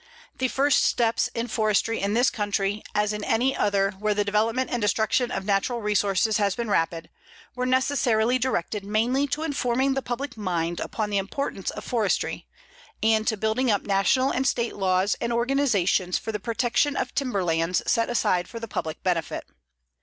The first steps in forestry in this country, as in any other where the development and destruction of natural resources has been rapid, were necessarily directed mainly to informing the public mind upon the importance of forestry, and to building up national and State laws and organizations for the protection of timberlands set aside for the public benefit.